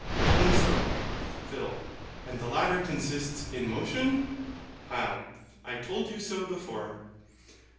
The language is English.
Even so. PHIL. And the latter consists in motion? HYL. I told you so before.